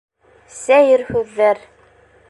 Сәйер һүҙҙәр.